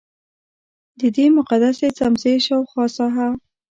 ددې مقدسې څمڅې شاوخوا ساحه.